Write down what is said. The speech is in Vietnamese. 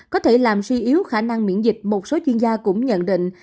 có thể làm suy yếu khả năng miễn dịch một số chuyên gia cũng nhận định